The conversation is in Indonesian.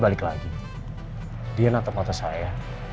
balik lagi dia natap mata saya